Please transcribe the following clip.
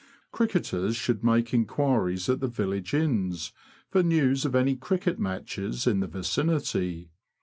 Cricketers should make inquiries at the village inns for news of any cricket matches in the vicinity.